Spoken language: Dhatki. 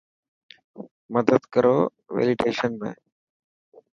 مدد ڪرو ويليڊشن ۾.